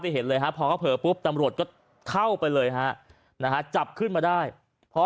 เห็นเลยฮะพอเขาเผลอปุ๊บตำรวจก็เข้าไปเลยฮะนะฮะจับขึ้นมาได้พอ